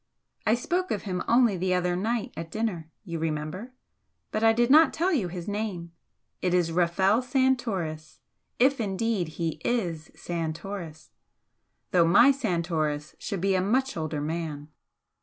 I spoke of him only the other night at dinner you remember? but I did not tell you his name. It is Rafel Santoris if indeed he IS Santoris! though my Santoris should be a much older man."